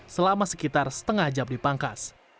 selama sekitar setengah jam dipangkas